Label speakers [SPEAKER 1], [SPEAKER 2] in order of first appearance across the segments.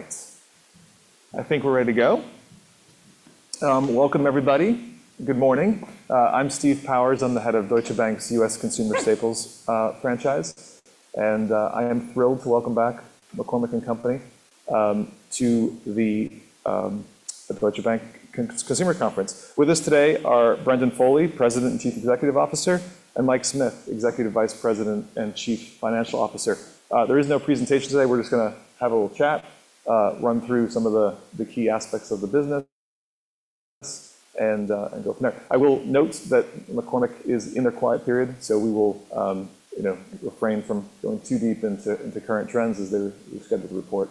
[SPEAKER 1] All right. I think we're ready to go. Welcome, everybody. Good morning. I'm Steve Powers. I'm the head of Deutsche Bank's US Consumer Staples franchise, and I am thrilled to welcome back McCormick & Company to the Deutsche Bank Consumer Conference. With us today are Brendan Foley, President and Chief Executive Officer, and Mike Smith, Executive Vice President and Chief Financial Officer. There is no presentation today. We're just gonna have a little chat, run through some of the key aspects of the business and go from there. I will note that McCormick is in a quiet period, so we will, you know, refrain from going too deep into current trends as they're scheduled to report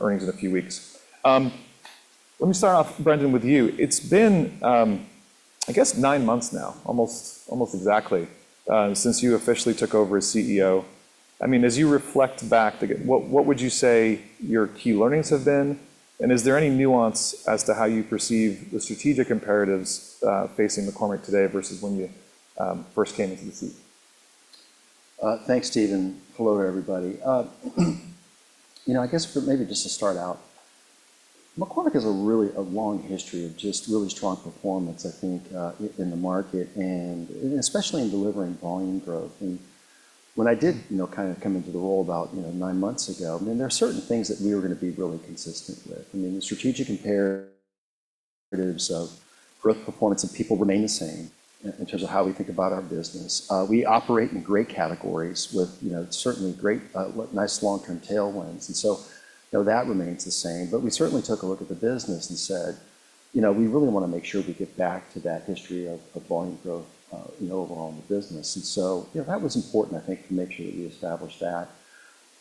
[SPEAKER 1] earnings in a few weeks. Let me start off, Brendan, with you. It's been, I guess, nine months now, almost exactly, since you officially took over as CEO. I mean, as you reflect back, again, what would you say your key learnings have been? And is there any nuance as to how you perceive the strategic imperatives facing McCormick today versus when you first came into the seat?
[SPEAKER 2] Thanks, Steven. Hello, everybody. You know, I guess maybe just to start out, McCormick has a really, a long history of just really strong performance, I think, in the market, and especially in delivering volume growth. And when I did, you know, kind of come into the role about, you know, nine months ago, I mean, there are certain things that we were gonna be really consistent with. I mean, the strategic imperatives of growth, performance, and people remain the same in terms of how we think about our business. We operate in great categories with, you know, certainly great, nice long-term tailwinds, and so, you know, that remains the same. But we certainly took a look at the business and said, "You know, we really want to make sure we get back to that history of volume growth, you know, overall in the business." And so, you know, that was important, I think, to make sure that we established that.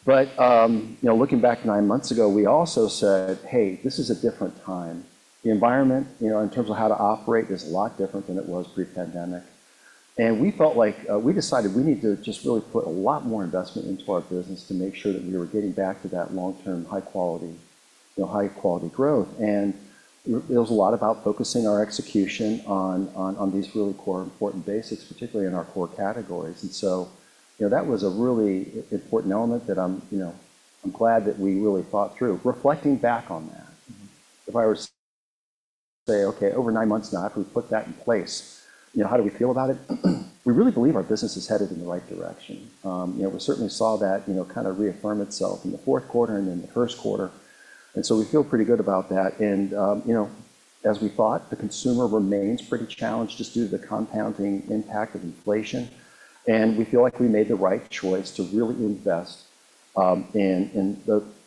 [SPEAKER 2] But, you know, looking back nine months ago, we also said, "Hey, this is a different time." The environment, you know, in terms of how to operate, is a lot different than it was pre-pandemic. And we felt like. We decided we need to just really put a lot more investment into our business to make sure that we were getting back to that long-term, high quality, you know, high-quality growth. And it was a lot about focusing our execution on these really core important basics, particularly in our core categories. And so, you know, that was a really important element that I'm, you know, I'm glad that we really thought through. Reflecting back on that...
[SPEAKER 1] Mm-hmm.
[SPEAKER 2] If I were to say, okay, over nine months now, after we've put that in place, you know, how do we feel about it? We really believe our business is headed in the right direction. You know, we certainly saw that, you know, kind of reaffirm itself in the fourth quarter and in the first quarter, and so we feel pretty good about that. And, you know, as we thought, the consumer remains pretty challenged just due to the compounding impact of inflation, and we feel like we made the right choice to really invest in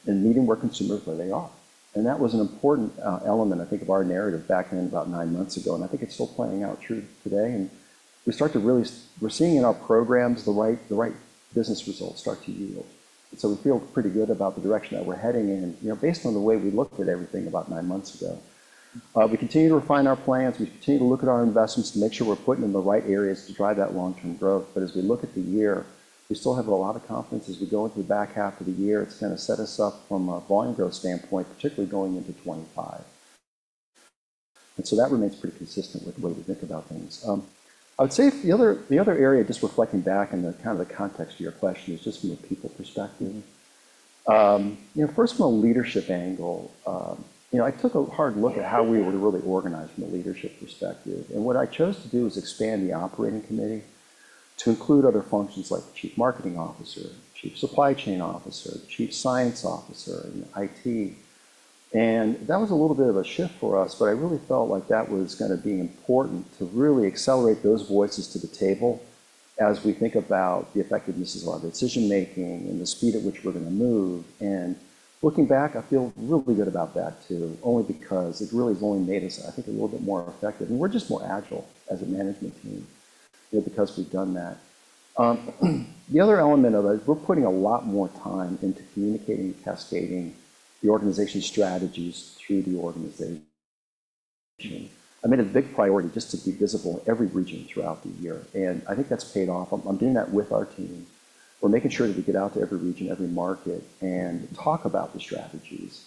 [SPEAKER 2] meeting where consumers, where they are. And that was an important element, I think, of our narrative back then, about nine months ago, and I think it's still playing out true today. And we start to really... We're seeing in our programs the right, the right business results start to yield. So we feel pretty good about the direction that we're heading in, you know, based on the way we looked at everything about nine months ago. We continue to refine our plans. We continue to look at our investments to make sure we're putting in the right areas to drive that long-term growth. But as we look at the year, we still have a lot of confidence as we go into the back half of the year. It's gonna set us up from a volume growth standpoint, particularly going into 2025. And so that remains pretty consistent with the way we think about things. I would say the other, the other area, just reflecting back in the kind of the context of your question, is just from a people perspective. You know, first, from a leadership angle, you know, I took a hard look at how we were really organized from a leadership perspective, and what I chose to do was expand the Operating Committee to include other functions like Chief Marketing Officer, Chief Supply Chain Officer, Chief Science Officer, and IT. That was a little bit of a shift for us, but I really felt like that was gonna be important to really accelerate those voices to the table as we think about the effectiveness of our decision-making and the speed at which we're gonna move. Looking back, I feel really good about that, too, only because it really has only made us, I think, a little bit more effective. We're just more agile as a management team, you know, because we've done that. The other element of it, we're putting a lot more time into communicating and cascading the organization's strategies through the organization. I made it a big priority just to be visible in every region throughout the year, and I think that's paid off. I'm doing that with our team. We're making sure that we get out to every region, every market, and talk about the strategies.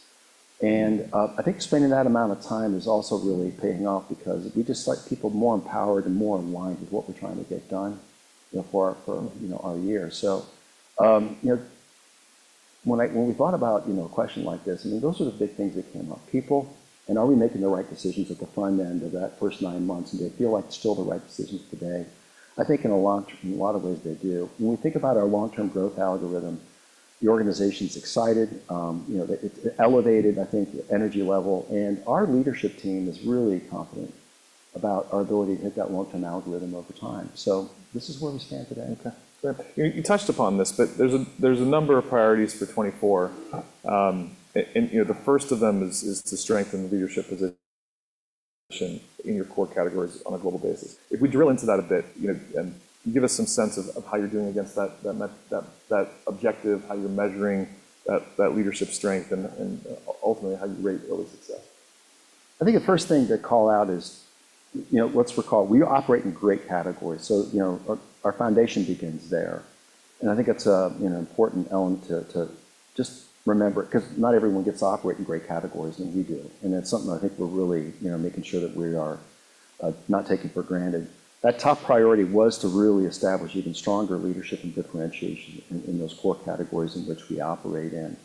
[SPEAKER 2] And, I think spending that amount of time is also really paying off because we just like people more empowered and more aligned with what we're trying to get done, you know, for, you know, our year. So, you know, when we thought about, you know, a question like this, I mean, those are the big things that came up: people, and are we making the right decisions at the front end of that first nine months? Do they feel like still the right decisions today? I think in a lot of ways, they do. When we think about our long-term growth algorithm, the organization's excited. You know, it elevated, I think, the energy level and our leadership team is really confident about our ability to hit that long-term algorithm over time. So this is where we stand today.
[SPEAKER 1] Okay. Great. You touched upon this, but there's a number of priorities for 2024. You know, the first of them is to strengthen the leadership position in your core categories on a global basis. If we drill into that a bit, you know, and give us some sense of how you're doing against that objective, how you're measuring that leadership strength, and ultimately, how you rate early success.
[SPEAKER 2] I think the first thing to call out is, you know, let's recall, we operate in great categories, so, you know, our, our foundation begins there. And I think that's a, you know, important element to, to just remember, 'cause not everyone gets to operate in great categories, and we do. And it's something I think we're really, you know, making sure that we are not taken for granted. That top priority was to really establish even stronger leadership and differentiation in, in those core categories in which we operate in.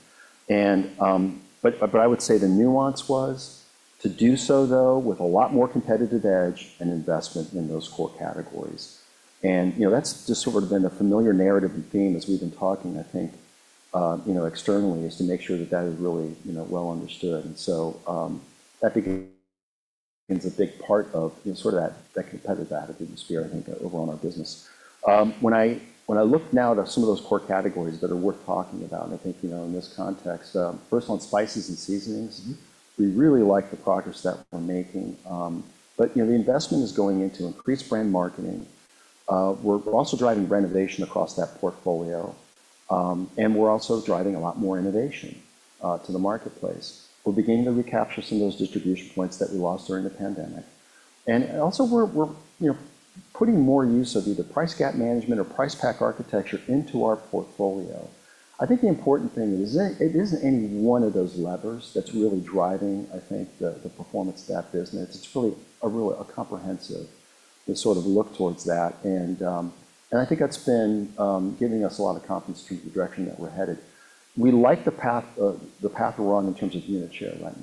[SPEAKER 2] And, but, but I would say the nuance was to do so, though, with a lot more competitive edge and investment in those core categories. And, you know, that's just sort of been a familiar narrative and theme as we've been talking, I think, you know, externally, is to make sure that that is really, you know, well understood. And so, that becomes a big part of, you know, sort of that, that competitive attitude and spirit, I think, overall in our business. When I look now at some of those core categories that are worth talking about, and I think, you know, in this context, first on spices and seasonings-
[SPEAKER 1] Mm-hmm.
[SPEAKER 2] We really like the progress that we're making. But, you know, the investment is going into increased brand marketing. We're also driving renovation across that portfolio, and we're also driving a lot more innovation to the marketplace. We're beginning to recapture some of those distribution points that we lost during the pandemic. And also we're, you know, putting more use of either price gap management or price pack architecture into our portfolio. I think the important thing is that it isn't any one of those levers that's really driving, I think, the performance of that business. It's really a comprehensive sort of look towards that. And I think that's been giving us a lot of confidence to the direction that we're headed. We like the path we're on in terms of unit share right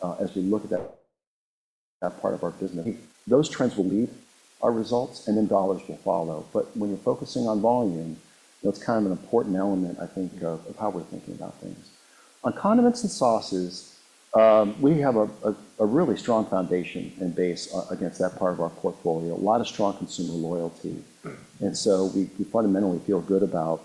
[SPEAKER 2] now, as we look at that part of our business. Those trends will lead our results, and then dollars will follow. But when you're focusing on volume, that's kind of an important element, I think, of how we're thinking about things. On condiments and sauces, we have a really strong foundation and base against that part of our portfolio, a lot of strong consumer loyalty.
[SPEAKER 1] Mm.
[SPEAKER 2] And so we fundamentally feel good about,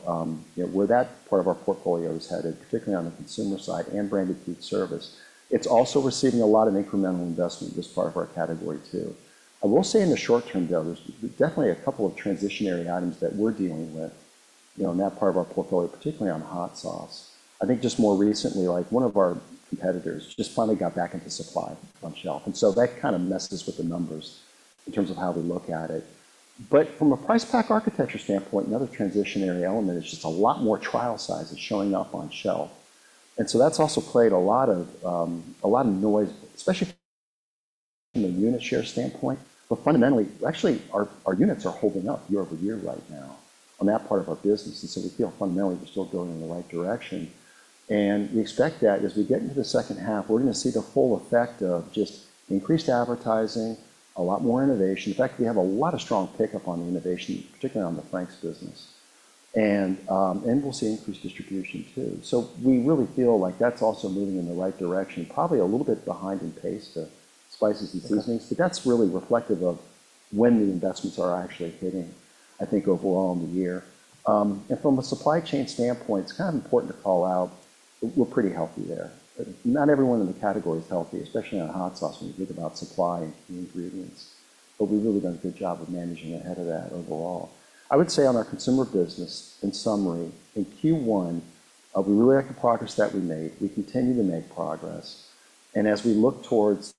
[SPEAKER 2] you know, where that part of our portfolio is headed, particularly on the consumer side and branded foodservice. It's also receiving a lot of incremental investment, this part of our category, too. I will say in the short term, though, there's definitely a couple of transitory items that we're dealing with, you know, in that part of our portfolio, particularly on hot sauce. I think just more recently, like one of our competitors just finally got back into supply on shelf, and so that kind of messes with the numbers in terms of how we look at it. But from a price pack architecture standpoint, another transitory element is just a lot more trial sizes showing up on shelf. And so that's also played a lot of noise, especially from a unit share standpoint. But fundamentally, actually, our units are holding up year-over-year right now on that part of our business, and so we feel fundamentally we're still going in the right direction. And we expect that as we get into the second half, we're gonna see the full effect of just increased advertising, a lot more innovation. In fact, we have a lot of strong pickup on innovation, particularly on the Frank's business. And, and we'll see increased distribution, too. So we really feel like that's also moving in the right direction, probably a little bit behind in pace to spices and seasonings...
[SPEAKER 1] Okay.
[SPEAKER 2] But that's really reflective of when the investments are actually hitting, I think, overall in the year. And from a supply chain standpoint, it's kind of important to call out we're pretty healthy there. Not everyone in the category is healthy, especially on hot sauce, when you think about supply and ingredients, but we've really done a good job of managing ahead of that overall. I would say on our Consumer business, in summary, in Q1, we really like the progress that we made. We continue to make progress, and as we look towards,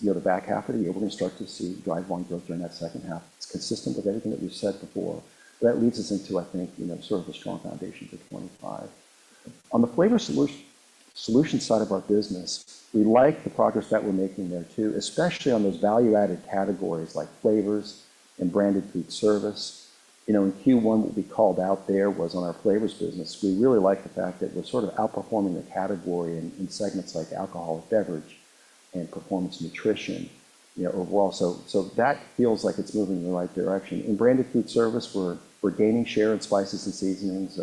[SPEAKER 2] you know, the back half of the year, we're gonna start to see drive volume growth during that second half. It's consistent with everything that we've said before. That leads us into, I think, you know, sort of a strong foundation for 2025. On the Flavor Solution side of our business, we like the progress that we're making there, too, especially on those value-added categories like flavors and branded foodservice. You know, in Q1, what we called out there was on our flavors business, we really like the fact that we're sort of outperforming the category in segments like alcoholic beverage and performance nutrition, you know, overall. So that feels like it's moving in the right direction. In branded foodservice, we're gaining share in spices and seasonings,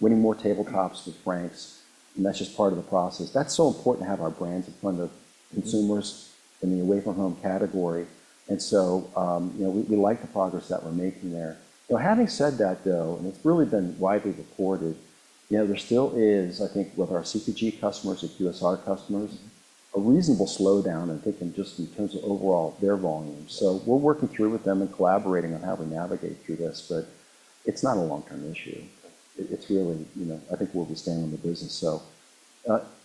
[SPEAKER 2] winning more tabletops with Frank's, and that's just part of the process. That's so important to have our brands in front of...
[SPEAKER 1] Mm-hmm
[SPEAKER 2] Consumers in the away-from-home category. And so, you know, we like the progress that we're making there. So having said that, though, and it's really been widely reported, you know, there still is, I think, with our CPG customers and QSR customers, a reasonable slowdown in thinking just in terms of overall their volume. So we're working through with them and collaborating on how we navigate through this, but it's not a long-term issue. It's really, you know, I think we'll be staying in the business. So,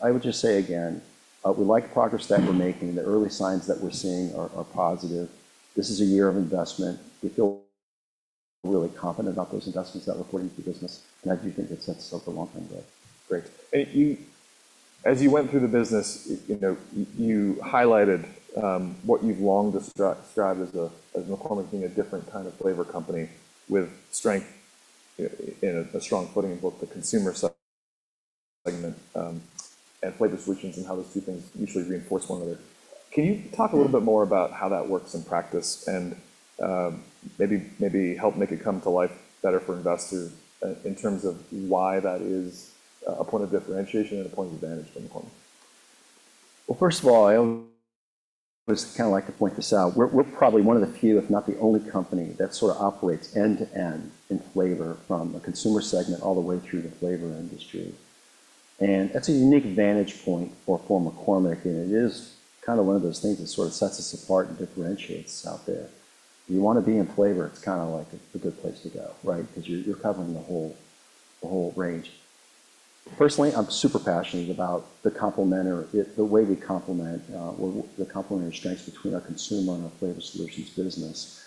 [SPEAKER 2] I would just say again, we like the progress that we're making. The early signs that we're seeing are positive. This is a year of investment. We feel really confident about those investments that we're putting into the business, and I do think it sets us up for long-term growth.
[SPEAKER 1] Great. As you went through the business, you know, you highlighted what you've long described as McCormick being a different kind of flavor company with strength in a strong footing in both the Consumer segment and Flavor Solutions, and how those two things mutually reinforce one another. Can you talk a little bit more about how that works in practice and, maybe, help make it come to life better for investors in terms of why that is a point of differentiation and a point of advantage for McCormick?
[SPEAKER 2] Well, first of all, I always kind of like to point this out: we're probably one of the few, if not the only company, that sort of operates end-to-end in flavor from a Consumer segment all the way through the flavor industry. And that's a unique vantage point for McCormick, and it is kind of one of those things that sort of sets us apart and differentiates us out there. You wanna be in flavor, it's kinda like the good place to go, right? 'Cause you're covering the whole range. Personally, I'm super passionate about the complement or the way we complement, or the complementary strengths between our consumer and our Flavor Solutions business....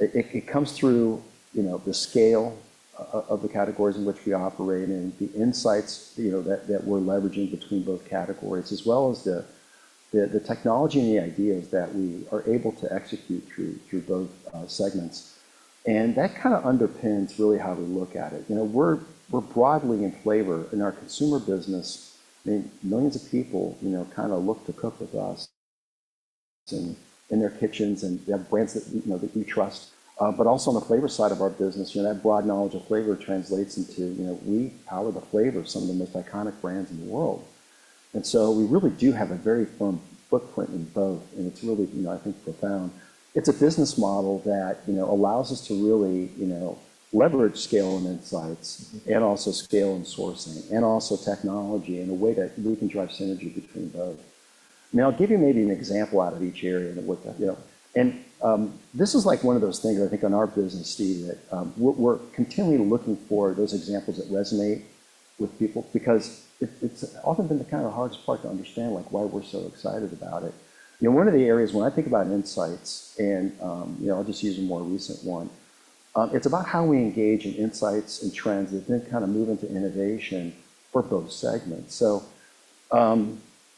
[SPEAKER 2] It comes through, you know, the scale of the categories in which we operate and the insights, you know, that we're leveraging between both categories, as well as the technology and the ideas that we are able to execute through both segments. And that kind of underpins really how we look at it. You know, we're broadly in flavor in our Consumer business. I mean, millions of people, you know, kind of look to cook with us in their kitchens, and they have brands that, you know, we trust. But also on the flavor side of our business, you know, that broad knowledge of flavor translates into, you know, we power the flavor of some of the most iconic brands in the world. And so we really do have a very firm footprint in both, and it's really, you know, I think, profound. It's a business model that, you know, allows us to really, you know, leverage scale and insights, and also scale and sourcing, and also technology in a way that we can drive synergy between both. Now, I'll give you maybe an example out of each area that what that, you know. And, this is like one of those things, I think, in our business, Steve, that, we're continually looking for those examples that resonate with people because it, it's often been the kind of hardest part to understand, like, why we're so excited about it. You know, one of the areas when I think about insights and, you know, I'll just use a more recent one, it's about how we engage in insights and trends and then kind of move into innovation for both segments. So,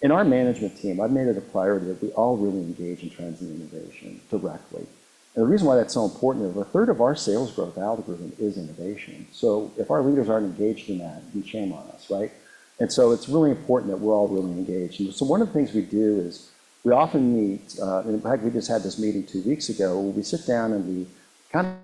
[SPEAKER 2] in our management team, I've made it a priority that we all really engage in trends and innovation directly. And the reason why that's so important is a third of our sales growth algorithm is innovation. So if our leaders aren't engaged in that, then shame on us, right? And so it's really important that we're all really engaged. So one of the things we do is we often meet, and in fact, we just had this meeting two weeks ago, where we sit down and we kind of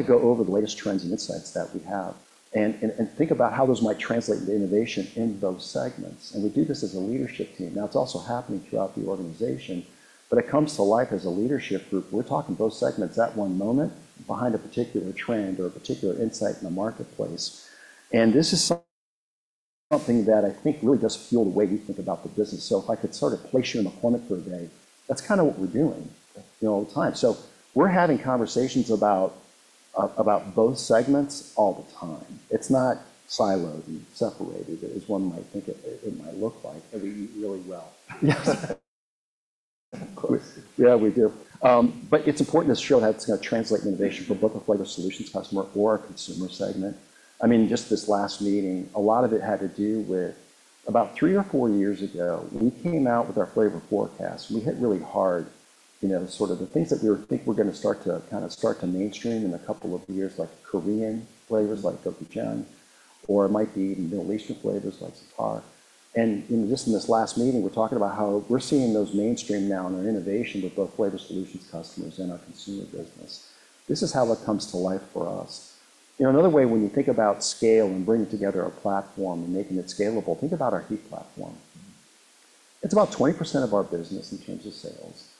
[SPEAKER 2] go over the latest trends and insights that we have and think about how those might translate into innovation in both segments. We do this as a leadership team. Now, it's also happening throughout the organization, but it comes to life as a leadership group. We're talking both segments at one moment behind a particular trend or a particular insight in the marketplace, and this is something that I think really does fuel the way we think about the business. So if I could sort of place you in the corner for a day, that's kind of what we're doing, you know, all the time. So we're having conversations about both segments all the time. It's not siloed and separated, as one might think it might look like, and we eat really well.
[SPEAKER 1] Yes. Of course.
[SPEAKER 2] Yeah, we do. But it's important to show how it's gonna translate innovation for both the Flavor Solutions customer or our Consumer segment. I mean, just this last meeting, a lot of it had to do with about three or four years ago, we came out with our Flavor Forecast, and we hit really hard, you know, sort of the things that we were think were gonna kind of start to mainstream in a couple of years, like Korean flavors, like gochujang, or it might be even Middle Eastern flavors, like za'atar. And, you know, just in this last meeting, we're talking about how we're seeing those mainstream now in our innovation with both Flavor Solutions customers and our Consumer business. This is how that comes to life for us. You know, another way when you think about scale and bringing together a platform and making it scalable, think about our heat platform. It's about 20% of our business in terms of sales.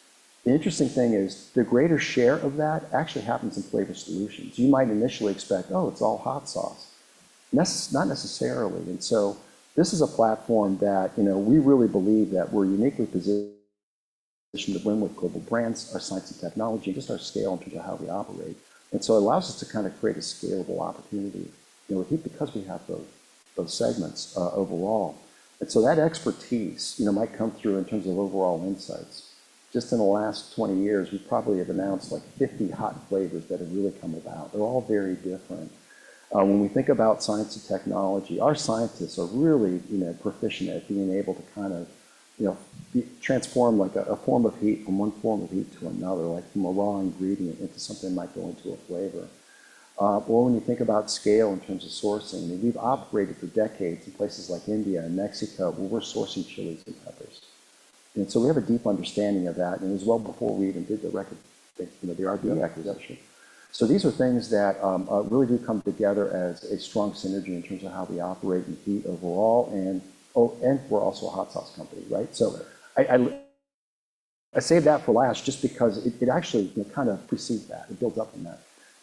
[SPEAKER 2] The interesting thing is the greater share of that actually happens in Flavor Solutions. You might initially expect, "Oh, it's all hot sauce." Not necessarily, and so this is a platform that, you know, we really believe that we're uniquely positioned to win with global brands, our science and technology, just our scale in terms of how we operate. And so it allows us to kind of create a scalable opportunity, you know, I think because we have both those segments, overall. And so that expertise, you know, might come through in terms of overall insights. Just in the last 20 years, we probably have announced, like, 50 hot flavors that have really come about. They're all very different. When we think about science and technology, our scientists are really, you know, proficient at being able to kind of, you know, transform like a, a form of heat from one form of heat to another, like from a raw ingredient into something that might go into a flavor. Well, when you think about scale in terms of sourcing, I mean, we've operated for decades in places like India and Mexico, where we're sourcing chilies and peppers. And so we have a deep understanding of that, and it was well before we even did the Reckitt, you know, the RB acquisition. So these are things that really do come together as a strong synergy in terms of how we operate in heat overall, and oh, and we're also a hot sauce company, right? So I saved that for last just because it actually kind of precedes that. It builds up on that,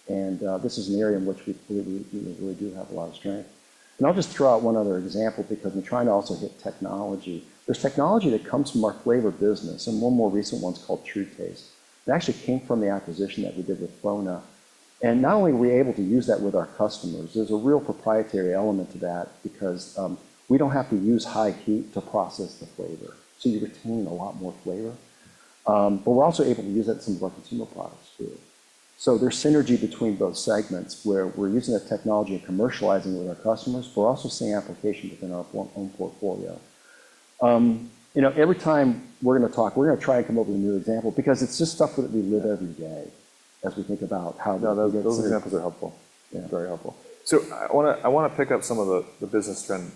[SPEAKER 2] and this is an area in which we you know really do have a lot of strength. And I'll just throw out one other example because I'm trying to also hit technology. There's technology that comes from our flavor business, and one more recent one's called TrueTaste. It actually came from the acquisition that we did with FONA. Not only are we able to use that with our customers, there's a real proprietary element to that because we don't have to use high heat to process the flavor, so you retain a lot more flavor. But we're also able to use that in some of our consumer products, too. So there's synergy between both segments, where we're using that technology and commercializing it with our customers, but we're also seeing applications within our own, own portfolio. You know, every time we're gonna talk, we're gonna try and come up with a new example because it's just stuff that we live every day as we think about how...
[SPEAKER 1] No, those, those examples are helpful.
[SPEAKER 2] Yeah.
[SPEAKER 1] Very helpful. So I wanna, I wanna pick up some of the, the business trend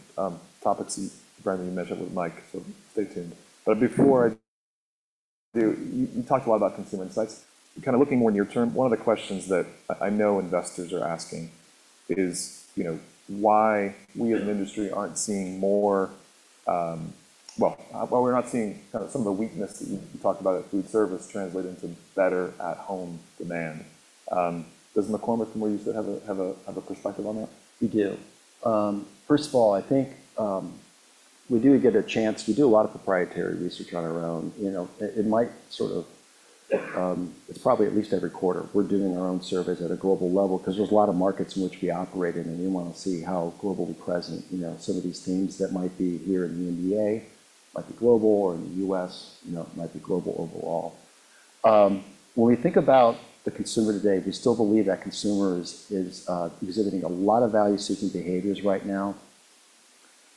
[SPEAKER 1] topics, Brendan, you mentioned with Mike, so stay tuned. But before I do, you, you talked a lot about consumer insights. Kind of looking more near term, one of the questions that I, I know investors are asking is, you know, why we as an industry aren't seeing more... Well, we're not seeing kind of some of the weakness that you talked about at foodservice translate into better at-home demand. Does McCormick, from what you said, have a, have a, have a perspective on that?
[SPEAKER 2] We do. First of all, I think, we do get a chance. We do a lot of proprietary research on our own. You know, it, it might sort of, it's probably at least every quarter, we're doing our own surveys at a global level 'cause there's a lot of markets in which we operate in, and we wanna see how globally present, you know, some of these themes that might be here in the U.S. like the global or in the U.S., you know, might be global overall. When we think about the consumer today, we still believe that consumer is exhibiting a lot of value-seeking behaviors right now.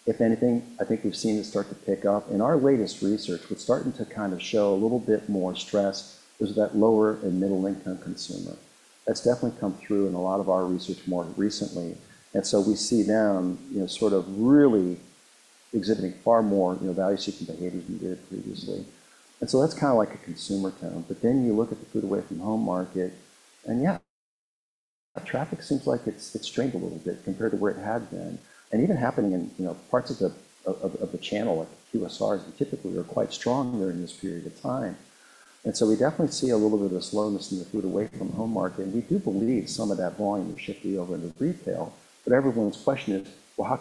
[SPEAKER 2] If anything, I think we've seen it start to pick up. In our latest research, it's starting to kind of show a little bit more stress is that lower- and middle-income consumer. That's definitely come through in a lot of our research more recently, and so we see them, you know, sort of really exhibiting far more, you know, value-seeking behavior than we did previously. And so that's kind of like a consumer tone. But then you look at the food-away-from-home market, and, yeah, traffic seems like it's strained a little bit compared to where it had been. And even happening in, you know, parts of the channel, like QSRs, that typically are quite strong during this period of time. And so we definitely see a little bit of a slowness in the food-away-from-home market, and we do believe some of that volume is shifting over into retail. But everyone's question is: Well, how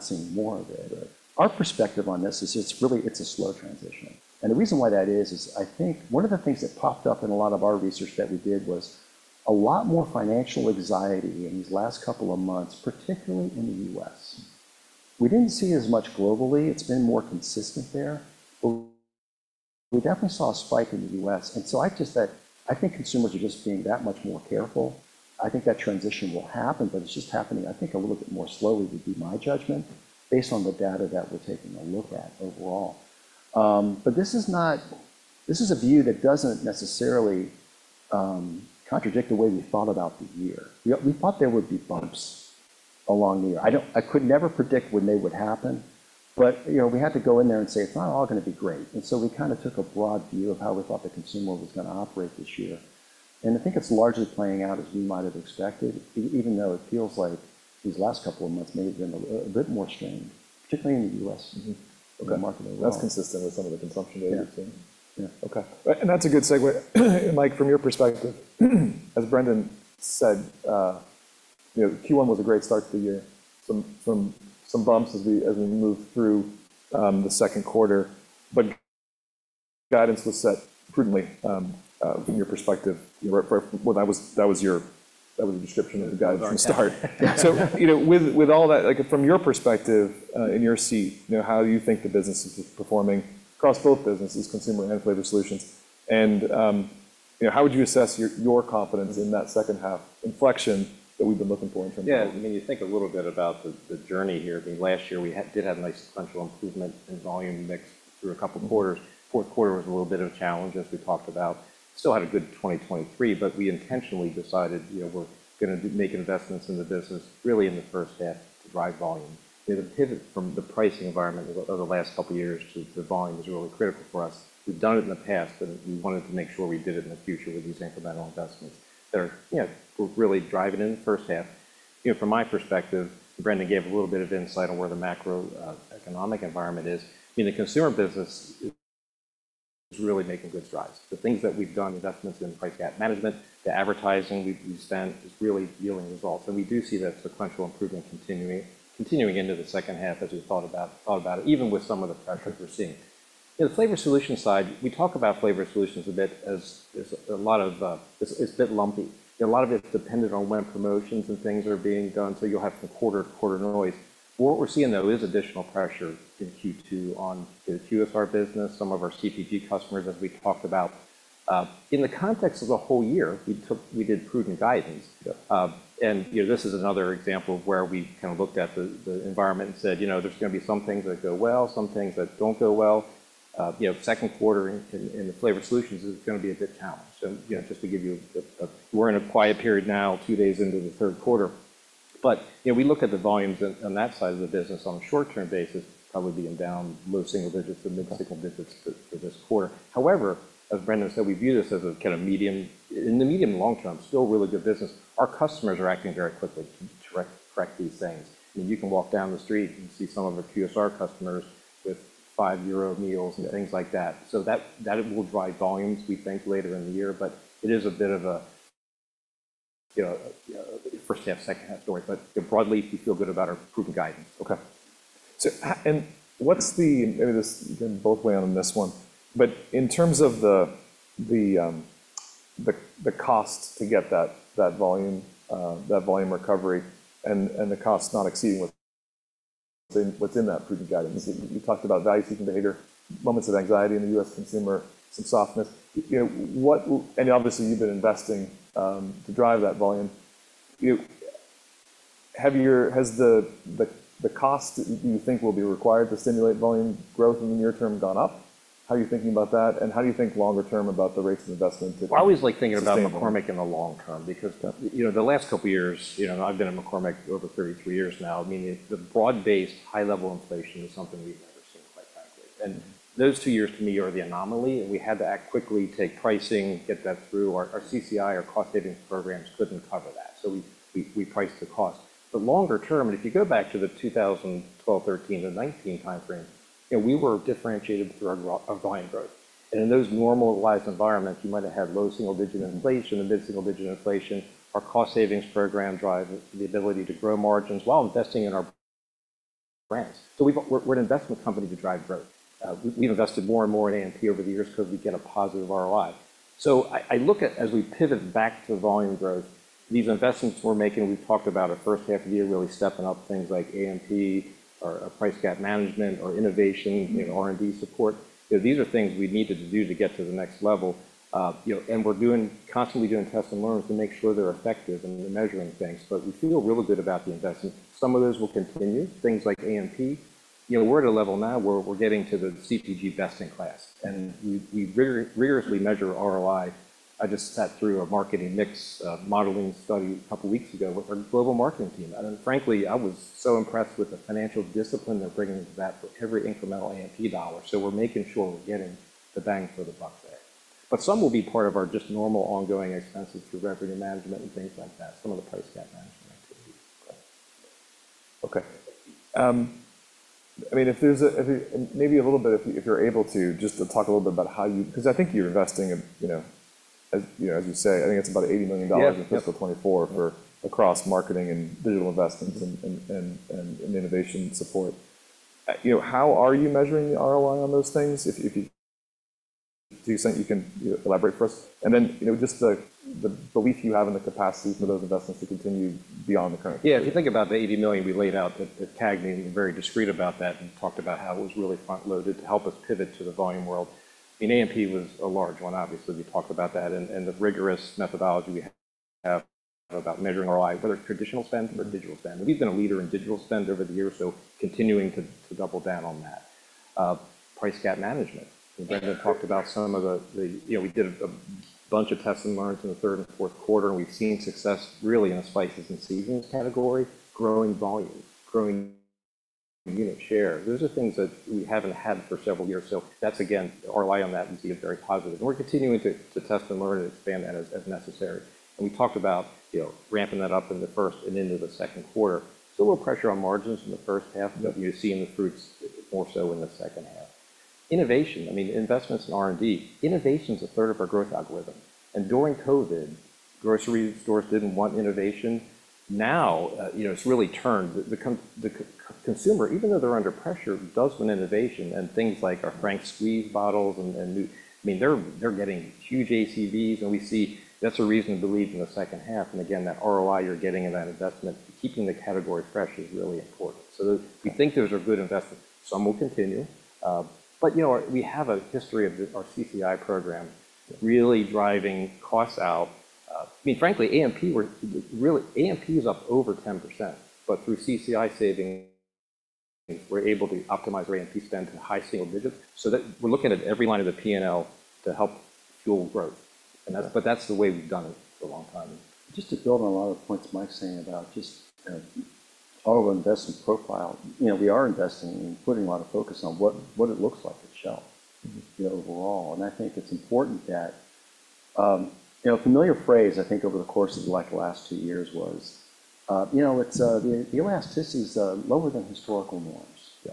[SPEAKER 2] come we're not seeing more of it? Our perspective on this is it's really a slow transition. And the reason why that is, is I think one of the things that popped up in a lot of our research that we did was a lot more financial anxiety in these last couple of months, particularly in the U.S. We didn't see as much globally. It's been more consistent there. We definitely saw a spike in the U.S., and so I think consumers are just being that much more careful. I think that transition will happen, but it's just happening, I think, a little bit more slowly, would be my judgment, based on the data that we're taking a look at overall. But this is not... This is a view that doesn't necessarily contradict the way we thought about the year. We, we thought there would be bumps along the year. I could never predict when they would happen, but, you know, we had to go in there and say, "It's not all gonna be great." And so we kind of took a broad view of how we thought the consumer was gonna operate this year, and I think it's largely playing out as we might have expected, even though it feels like these last couple of months may have been a little, a bit more strained, particularly in the U.S.
[SPEAKER 1] Mm-hmm.
[SPEAKER 2] Or the market overall.
[SPEAKER 1] That's consistent with some of the consumption data, too.
[SPEAKER 2] Yeah.
[SPEAKER 1] Okay. That's a good segue. Mike, from your perspective, as Brendan said, you know, Q1 was a great start to the year. Some bumps as we moved through the second quarter, but guidance was set prudently from your perspective. Well, that was your description of the guidance from the start.
[SPEAKER 3] Yeah.
[SPEAKER 1] So, you know, with all that, like, from your perspective, in your seat, you know, how do you think the business is performing across both businesses, Consumer and Flavor Solutions? And, you know, how would you assess your confidence in that second-half inflection that we've been looking for in terms of...
[SPEAKER 3] Yeah, I mean, you think a little bit about the journey here. I think last year we had, did have a nice sequential improvement in volume mix through a couple quarters. Fourth quarter was a little bit of a challenge, as we talked about. Still had a good 2023, but we intentionally decided, you know, we're gonna make investments in the business really in the first half to drive volume. The pivot from the pricing environment over the last couple of years to volume is really critical for us. We've done it in the past, and we wanted to make sure we did it in the future with these incremental investments that are, you know, really driving in the first half. You know, from my perspective, Brendan gave a little bit of insight on where the macroeconomic environment is. In the Consumer business, it's really making good strides. The things that we've done, investments in price gap management, the advertising we've spent, is really yielding results, and we do see that sequential improvement continuing into the second half, as we've thought about it, even with some of the pressures we're seeing. In the Flavor Solutions side, we talk about Flavor Solutions a bit as a lot of it's a bit lumpy, and a lot of it's dependent on when promotions and things are being done, so you'll have some quarter-to-quarter noise. What we're seeing, though, is additional pressure in Q2 on the QSR business, some of our CPG customers, as we talked about. In the context of the whole year, we did prudent guidance.
[SPEAKER 1] Yeah.
[SPEAKER 3] And, you know, this is another example of where we kind of looked at the environment and said, "You know, there's gonna be some things that go well, some things that don't go well. You know, second quarter in the Flavor Solutions is gonna be a bit challenged." So, you know, just to give you a. We're in a quiet period now, two days into the third quarter, but, you know, we look at the volumes on that side of the business on a short-term basis, probably being down low single digits to mid-single digits for this quarter. However, as Brendan said, we view this as a kind of medium, in the medium to long term, still really good business. Our customers are acting very quickly to correct these things. I mean, you can walk down the street and see some of our QSR customers with 5 euro meals...
[SPEAKER 1] Yeah
[SPEAKER 3] And things like that. So that, that will drive volumes, we think, later in the year, but it is a bit of a, you know, first half, second half story. But broadly, we feel good about our proven guidance.
[SPEAKER 1] Okay. So and what's the, maybe this can go both ways on this one, but in terms of the cost to get that volume recovery and the cost not exceeding what within what's in that proven guidance. You talked about value-seeking behavior, moments of anxiety in the U.S. consumer, some softness. You know, what... And obviously, you've been investing to drive that volume. Has the cost you think will be required to stimulate volume growth in the near term gone up? How are you thinking about that, and how do you think longer term about the rates of investment to...
[SPEAKER 3] I always like thinking about...
[SPEAKER 1] Sustainable
[SPEAKER 3] McCormick in the long term because, you know, the last couple of years, you know, I've been at McCormick over 33 years now, I mean, the broad-based, high-level inflation is something we've never seen quite that big. And those two years to me are the anomaly, and we had to act quickly, take pricing, get that through. Our CCI, our cost savings programs, couldn't cover that, so we priced the cost. But longer term, and if you go back to the 2012, 2013 to 2019 timeframe, and we were differentiated through our volume growth. And in those normalized environments, you might have had low single-digit inflation and mid-single digit inflation. Our cost savings program drive the ability to grow margins while investing in our brands. So we're an investment company to drive growth. We've invested more and more in A&P over the years because we get a positive ROI. So I look at as we pivot back to volume growth, these investments we're making. We talked about our first half of the year, really stepping up things like A&P or price gap management or innovation, you know, R&D support. These are things we needed to do to get to the next level. You know, and we're constantly doing test and learns to make sure they're effective and we're measuring things, but we feel really good about the investment. Some of those will continue, things like A&P. You know, we're at a level now where we're getting to the CPG best-in-class, and we rigorously measure ROI. I just sat through a marketing mix modeling study a couple weeks ago with our global marketing team, and frankly, I was so impressed with the financial discipline they're bringing to that for every incremental A&P dollar. So we're making sure we're getting the bang for the buck there. But some will be part of our just normal ongoing expenses through revenue management and things like that, some of the price gap management activities.
[SPEAKER 1] Okay. I mean, if maybe a little bit, if you're able to, just to talk a little bit about how you... 'Cause I think you're investing in, you know, as you know, as you say, I think it's about $80 million-
[SPEAKER 3] Yeah, yeah.
[SPEAKER 1] In fiscal 2024 for across marketing and digital investments and innovation support. You know, how are you measuring the ROI on those things? If you can elaborate for us. And then, you know, just the belief you have in the capacity for those investments to continue beyond the current.
[SPEAKER 3] Yeah, if you think about the $80 million we laid out, the CAGNY meeting, very discreet about that and talked about how it was really front-loaded to help us pivot to the volume world. I mean, A&P was a large one. Obviously, we talked about that and the rigorous methodology we have about measuring ROI, whether it's traditional spend or digital spend. We've been a leader in digital spend over the years, so continuing to double down on that. Price gap management, and Brendan talked about some of the... You know, we did a bunch of tests and learns in the third and fourth quarter, and we've seen success really in the spices and seasonings category, growing volume, growing unit share. Those are things that we haven't had for several years. So that's, again, ROI on that we see is very positive, and we're continuing to test and learn and expand that as necessary. And we talked about, you know, ramping that up in the first and into the second quarter. So a little pressure on margins in the first half, but we are seeing the fruits more so in the second half. Innovation, I mean, investments in R&D. Innovation is a third of our growth algorithm, and during COVID, grocery stores didn't want innovation. Now, you know, it's really turned. The consumer, even though they're under pressure, does want innovation and things like our Frank's squeeze bottles and, I mean, they're getting huge ACVs, and we see that's a reason to believe in the second half. And again, that ROI you're getting in that investment, keeping the category fresh is really important. So we think those are good investments. Some will continue, but, you know, we have a history of the, our CCI program really driving costs out. I mean, frankly, A&P, we're really—A&P is up over 10%, but through CCI savings, we're able to optimize our A&P spend to high single digits so that we're looking at every line of the P&L to help fuel growth. And that's—but that's the way we've done it for a long time.
[SPEAKER 2] Just to build on a lot of the points Mike's saying about just our investment profile. You know, we are investing and putting a lot of focus on what it looks like at shelf overall. And I think it's important that, you know, a familiar phrase, I think, over the course of, like, the last two years was, you know, it's the elasticity is lower than historical norms.
[SPEAKER 3] Yeah.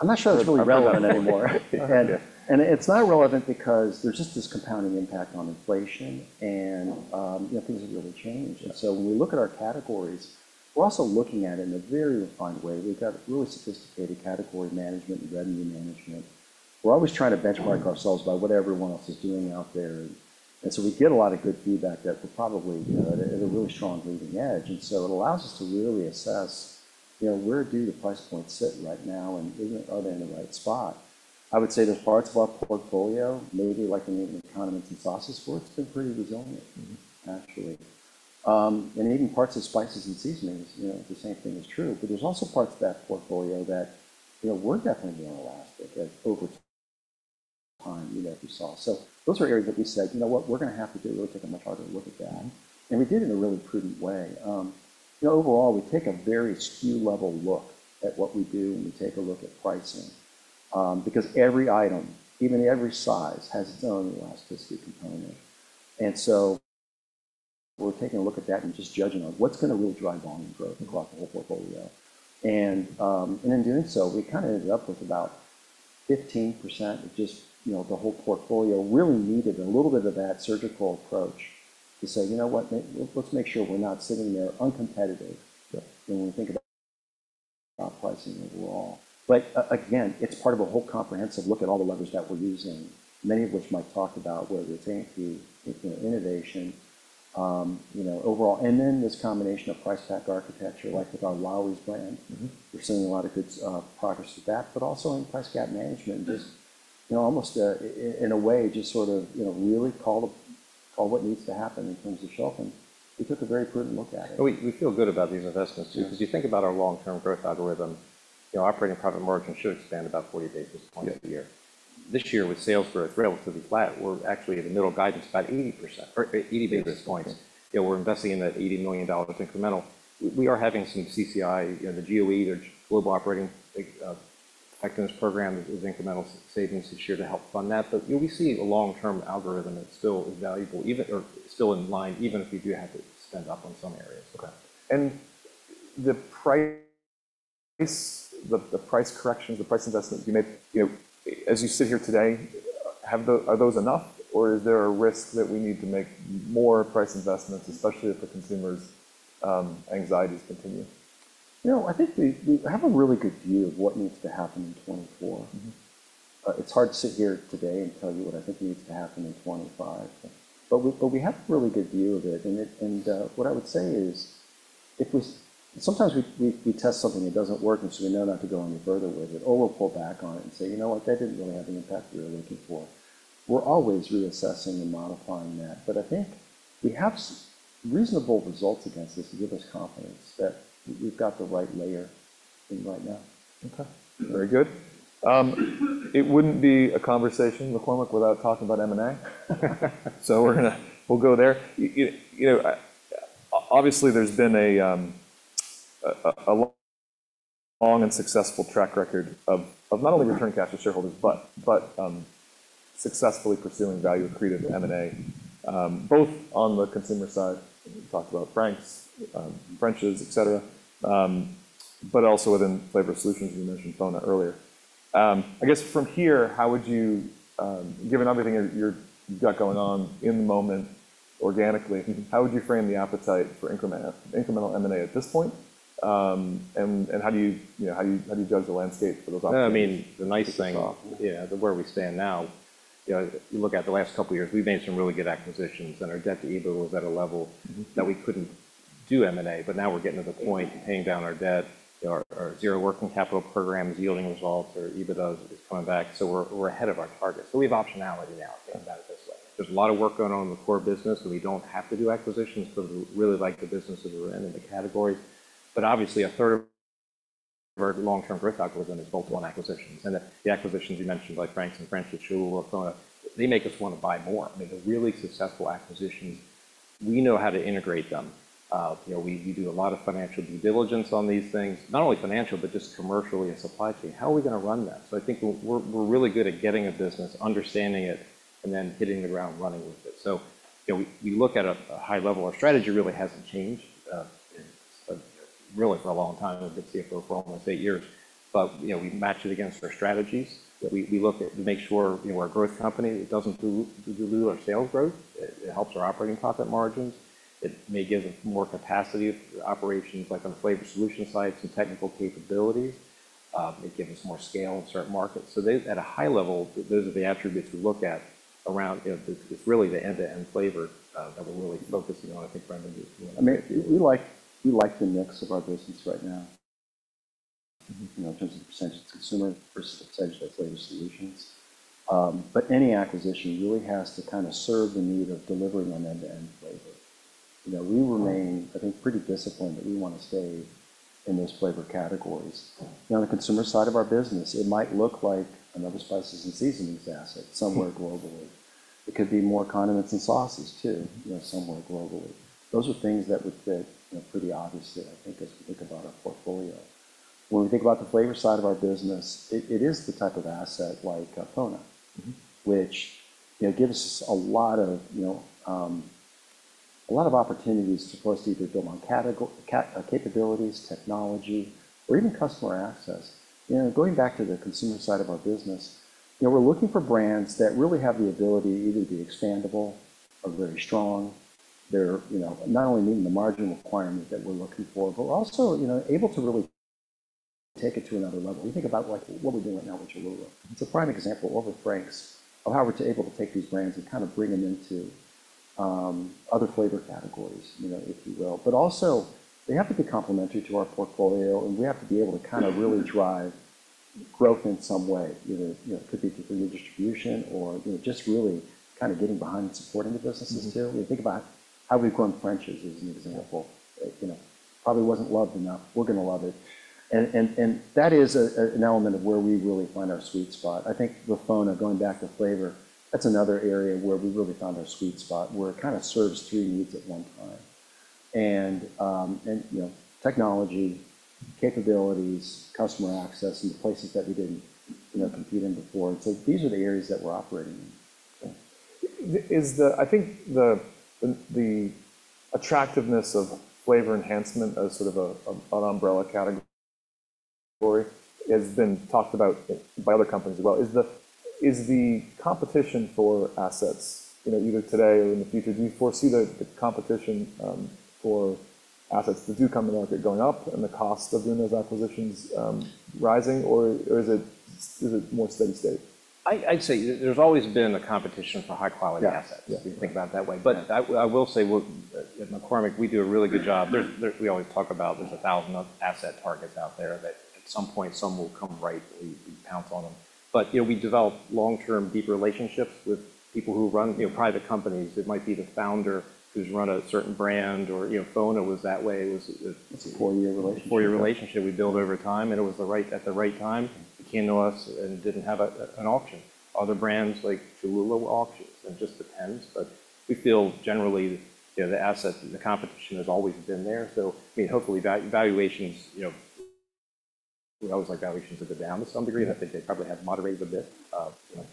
[SPEAKER 2] I'm not sure that's really relevant anymore. And it's not relevant because there's just this compounding impact on inflation and, you know, things have really changed.
[SPEAKER 3] Yeah.
[SPEAKER 2] And so when we look at our categories, we're also looking at it in a very refined way. We've got really sophisticated category management and revenue management. We're always trying to benchmark ourselves by what everyone else is doing out there, and so we get a lot of good feedback that we're probably, you know, at a really strong leading edge. And so it allows us to really assess, you know, where do the price points sit right now, and is it-- are they in the right spot? I would say there are parts of our portfolio, maybe like in even the condiments and sauces space, have been pretty resilient-
[SPEAKER 3] Mm-hmm.
[SPEAKER 2] Actually, and even parts of spices and seasonings, you know, the same thing is true. But there's also parts of that portfolio that, you know, were definitely more elastic as over time, you know, as we saw. So those are areas that we said, "You know what? We're gonna have to take a much harder look at that." And we did it in a really prudent way. You know, overall, we take a very SKU-level look at what we do when we take a look at pricing, because every item, even every size, has its own elasticity component. And so we're taking a look at that and just judging on what's gonna really drive volume growth across the whole portfolio. And, and in doing so, we kinda ended up with about 15% of just, you know, the whole portfolio really needed a little bit of that surgical approach to say, "You know what? Let's make sure we're not sitting there uncompetitive-
[SPEAKER 3] Sure.
[SPEAKER 2] When we think about pricing overall." But again, it's part of a whole comprehensive look at all the levers that we're using, many of which Mike talked about, whether it's A&P, you know, innovation, you know, overall, and then this combination of price pack architecture, like with our Lawry's brand.
[SPEAKER 3] Mm-hmm.
[SPEAKER 2] We're seeing a lot of good progress with that, but also in price gap management-
[SPEAKER 3] Yeah.
[SPEAKER 2] Just, you know, almost in a way, just sort of, you know, really call the, call what needs to happen in terms of shelving. We took a very prudent look at it.
[SPEAKER 3] We feel good about these investments, too.
[SPEAKER 2] Yeah.
[SPEAKER 3] 'Cause you think about our long-term growth algorithm, you know, operating profit margin should expand about 40 basis points-80 basis points a year.
[SPEAKER 2] Yeah.
[SPEAKER 3] This year, with sales for the year to be flat, we're actually in the middle of guidance, about 80% or 80 basis points.
[SPEAKER 2] Yeah.
[SPEAKER 3] You know, we're investing in that $80 million incremental. We, we are having some CCI, you know, the GOE, their Global Operating Effectiveness program is incremental savings this year to help fund that. But, you know, we see a long-term algorithm that still is valuable even... or still in line, even if we do have to spend up on some areas.
[SPEAKER 1] Okay. And the price, the, the price corrections, the price investments you make, you know, as you sit here today, have they, are those enough, or is there a risk that we need to make more price investments, especially if the consumers' anxieties continue?
[SPEAKER 2] You know, I think we have a really good view of what needs to happen in 2024.
[SPEAKER 1] Mm-hmm.
[SPEAKER 2] It's hard to sit here today and tell you what I think needs to happen in 2025, but we have a really good view of it, and what I would say is, if we sometimes test something that doesn't work, and so we know not to go any further with it, or we'll pull back on it and say: "You know what? That didn't really have the impact we were looking for." We're always reassessing and modifying that, but I think we have reasonable results against this to give us confidence that we've got the right layer in right now.
[SPEAKER 1] Okay, very good. It wouldn't be a conversation, McCormick, without talking about M&A. So we're gonna, we'll go there. You know, obviously, there's been a long and successful track record of not only returning cash to shareholders, but successfully pursuing value-accretive M&A, both on the consumer side, we talked about Frank's, French's, et cetera, but also within Flavor Solutions, you mentioned FONA earlier. I guess from here, how would you... Given everything that you've got going on in the moment organically-
[SPEAKER 2] Mm-hmm.
[SPEAKER 1] How would you frame the appetite for incremental M&A at this point? And how do you, you know, how do you judge the landscape for those opportunities?
[SPEAKER 2] No, I mean, the nice thing-
[SPEAKER 1] To kick us off.
[SPEAKER 2] Yeah, where we stand now, you know, you look at the last couple of years, we've made some really good acquisitions, and our debt to EBITDA was at a level-
[SPEAKER 1] Mm-hmm.
[SPEAKER 3] That we couldn't do M&A, but now we're getting to the point, paying down our debt, our zero working capital program is yielding results. Our EBITDA is coming back, so we're ahead of our target. So we have optionality now, put it that way. There's a lot of work going on in the core business, so we don't have to do acquisitions because we really like the businesses we're in and the categories. But obviously, a third of our long-term growth algorithm is focused on acquisitions, and the acquisitions you mentioned, like Frank's and French's, Cholula, FONA, they make us want to buy more. I mean, they're really successful acquisitions. We know how to integrate them. You know, we do a lot of financial due diligence on these things, not only financial, but just commercially and supply chain. How are we gonna run that? So I think we're really good at getting a business, understanding it, and then hitting the ground running with it. So, you know, we look at a high level. Our strategy really hasn't changed really for a long time. I've been CFO for almost eight years, but, you know, we match it against our strategies. We look at, we make sure, you know, we're a growth company. It doesn't dilute our sales growth. It helps our operating profit margins. It may give us more capacity for operations, like on the Flavor Solution side, some technical capabilities. It gives us more scale in certain markets. So at a high level, those are the attributes we look at around, you know, the... It's really the end-to-end flavor that we're really focusing on, I think, Brendan. I mean, we like, we like the mix of our business right now, you know, in terms of percentage of consumer versus percentage of Flavor Solutions. But any acquisition really has to kind of serve the need of delivering on end-to-end flavor. You know, we remain, I think, pretty disciplined, but we want to stay in those flavor categories. You know, on the consumer side of our business, it might look like another spices and seasonings asset somewhere globally. It could be more condiments and sauces, too, you know, somewhere globally. Those are things that would fit, you know, pretty obviously, I think, as we think about our portfolio. When we think about the flavor side of our business, it, it is the type of asset like FONA-
[SPEAKER 1] Mm-hmm.
[SPEAKER 3] which, you know, gives us a lot of, you know, a lot of opportunities for us to either build on capabilities, technology, or even customer access. You know, going back to the consumer side of our business, you know, we're looking for brands that really have the ability to either be expandable or very strong. They're, you know, not only meeting the margin requirement that we're looking for, but also, you know, able to really take it to another level. We think about, like, what we're doing right now with Cholula. It's a prime example over Frank's, of how we're able to take these brands and kind of bring them into other flavor categories, you know, if you will. But also, they have to be complementary to our portfolio, and we have to be able to kind of really drive growth in some way, either, you know, could be through new distribution or, you know, just really kind of getting behind and supporting the businesses, too.
[SPEAKER 1] Mm-hmm.
[SPEAKER 3] You think about how we've grown French's as an example. You know, probably wasn't loved enough. We're gonna love it, and that is an element of where we really find our sweet spot. I think with FONA, going back to flavor, that's another area where we really found our sweet spot, where it kind of serves two needs at one time. And, you know, technology, capabilities, customer access, and places that we didn't, you know, compete in before. So these are the areas that we're operating in.
[SPEAKER 1] I think the attractiveness of flavor enhancement as sort of an umbrella category has been talked about by other companies as well. Is the competition for assets, you know, either today or in the future, do you foresee the competition for assets that do come to market going up and the cost of doing those acquisitions rising, or is it more steady state?
[SPEAKER 2] I'd say there's always been a competition for high-quality assets-
[SPEAKER 1] Yeah, yeah.
[SPEAKER 2] If you think about it that way. But I will say, well, at McCormick, we do a really good job. We always talk about there's 1,000 other asset targets out there that at some point, some will come right, and we pounce on them. But, you know, we develop long-term, deep relationships with people who run, you know, private companies. It might be the founder who's run a certain brand or, you know, FONA was that way. It was-
[SPEAKER 1] It's a four-year relationship.
[SPEAKER 2] Four-year relationship we built over time, and it was the right time. He came to us and didn't have an option. Other brands like Cholula auction, it just depends, but we feel generally, you know, the assets and the competition has always been there. So hopefully, valuations, you know, we always like valuations have come down to some degree, and I think they probably have moderated a bit,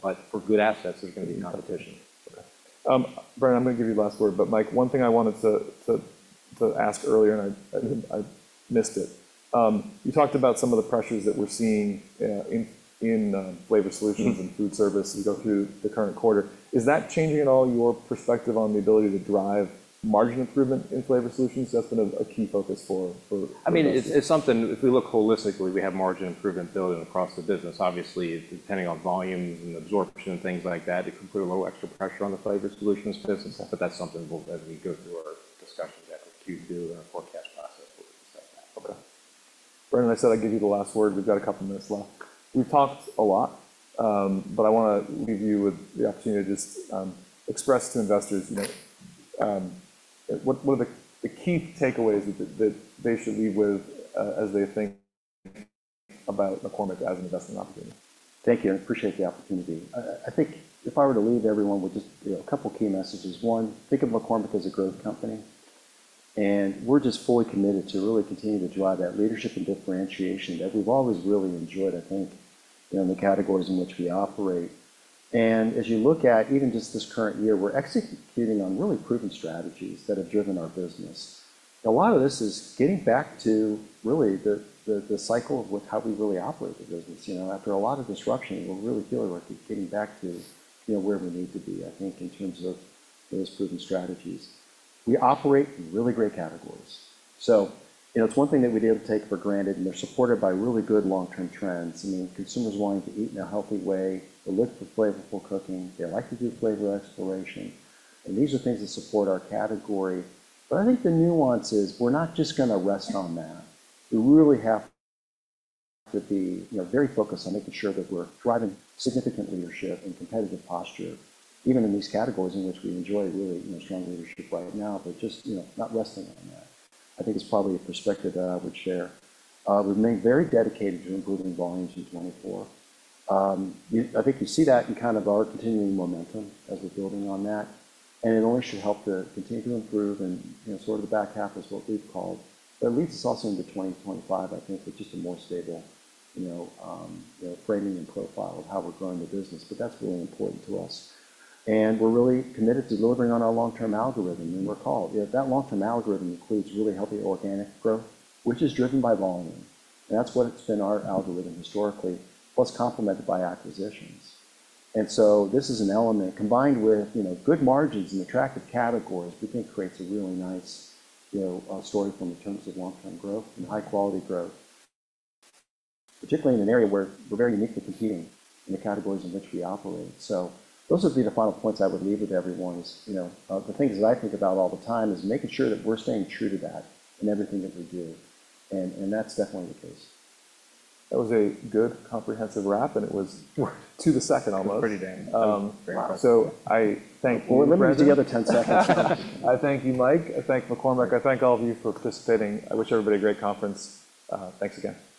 [SPEAKER 2] but for good assets, there's gonna be competition.
[SPEAKER 1] Okay. Brendan, I'm gonna give you the last word, but Mike, one thing I wanted to ask earlier, and I missed it: You talked about some of the pressures that we're seeing in Flavor Solutions-
[SPEAKER 2] Mm-hmm.
[SPEAKER 1] and foodservice as you go through the current quarter. Is that changing at all your perspective on the ability to drive margin improvement in Flavor Solutions, that's been a, a key focus for, for-
[SPEAKER 3] I mean, it's something, if we look holistically, we have margin improvement building across the business. Obviously, depending on volumes and absorption and things like that, it can put a little extra pressure on the Flavor Solutions business, but that's something we'll discuss as we go through our discussions at Q2 and our forecast process.
[SPEAKER 1] Okay. Brendan, I said I'd give you the last word. We've got a couple minutes left. We've talked a lot, but I wanna leave you with the opportunity to just express to investors, you know, what are the key takeaways that they should leave with, as they think about McCormick as an investment opportunity?
[SPEAKER 2] Thank you. I appreciate the opportunity. I think if I were to leave everyone with just, you know, a couple key messages: One, think of McCormick as a growth company, and we're just fully committed to really continue to drive that leadership and differentiation that we've always really enjoyed, I think, in the categories in which we operate. And as you look at even just this current year, we're executing on really proven strategies that have driven our business. A lot of this is getting back to really the cycle of how we really operate the business. You know, after a lot of disruption, we're really feeling like we're getting back to, you know, where we need to be, I think, in terms of those proven strategies. We operate in really great categories. So, you know, it's one thing that we do have to take for granted, and they're supported by really good long-term trends. I mean, consumers wanting to eat in a healthy way, they look for flavorful cooking, they like to do flavor exploration, and these are things that support our category. But I think the nuance is we're not just gonna rest on that. We really have to be, you know, very focused on making sure that we're driving significant leadership and competitive posture, even in these categories in which we enjoy really, you know, strong leadership right now, but just, you know, not resting on that. I think it's probably a perspective that I would share. We've remained very dedicated to improving volumes in 2024. You... I think you see that in kind of our continuing momentum as we're building on that, and it only should help to continue to improve and, you know, sort of the back half is what we've called. But it leads us also into 2025, I think, with just a more stable, you know, you know, framing and profile of how we're growing the business, but that's really important to us. And we're really committed to delivering on our long-term algorithm. You may recall, you know, that long-term algorithm includes really healthy organic growth, which is driven by volume. That's what's been our algorithm historically, plus complemented by acquisitions. This is an element combined with, you know, good margins and attractive categories, we think creates a really nice, you know, story from in terms of long-term growth and high-quality growth, particularly in an area where we're very uniquely competing in the categories in which we operate. So those would be the final points I would leave with everyone is, you know, the things that I think about all the time is making sure that we're staying true to that in everything that we do, and that's definitely the case.
[SPEAKER 1] That was a good, comprehensive wrap, and it was to the second, almost.
[SPEAKER 3] Pretty damn.
[SPEAKER 1] I thank you, Brendan.
[SPEAKER 2] Well, let me do the other 10 seconds.
[SPEAKER 1] I thank you, Mike. I thank McCormick. I thank all of you for participating. I wish everybody a great conference. Thanks again.